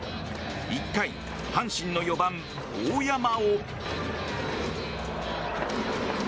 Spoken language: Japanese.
１回阪神の４番、大山を。